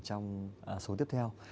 trong số tiếp theo